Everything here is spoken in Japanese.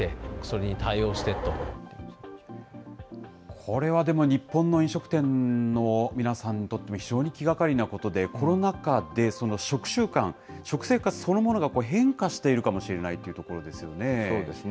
これはでも日本の飲食店の皆さんにとっても、非常に気がかりなことで、コロナ禍で食習慣、食生活そのものが変化しているかもしれないというところですよね。